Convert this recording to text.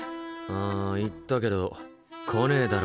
あ言ったけど来ねえだろ